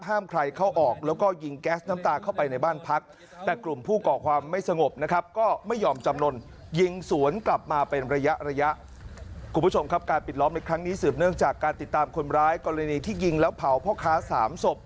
ตามคนร้ายกรณีที่ยิงแล้วเผาเพราะค้า๓ศพ